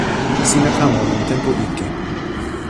sina kama lon tenpo ike.